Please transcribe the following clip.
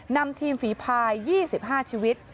นำทีมฝีพาย๒๕ชีวิต